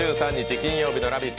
金曜日の「ラヴィット！」。